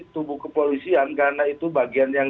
tubuh kepolisian karena itu bagian yang